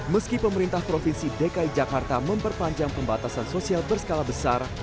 meski pemerintah provinsi dki jakarta memperpanjang pembatasan sosial berskala besar